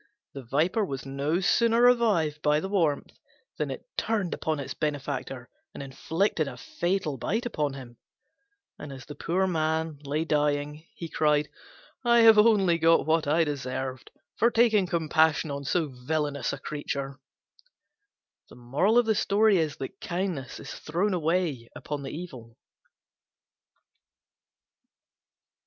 The Viper was no sooner revived by the warmth than it turned upon its benefactor and inflicted a fatal bite upon him; and as the poor man lay dying, he cried, "I have only got what I deserved, for taking compassion on so villainous a creature." Kindness is thrown away upon the evil.